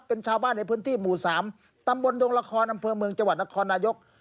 เป็นชาวบ้านในพื้นที่หมู่๓ตำบลดงละครอำเภอเมืองจังหวัดนครนายก